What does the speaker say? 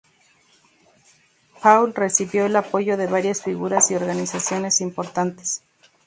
Paul recibió el apoyo de varias figuras y organizaciones importantes.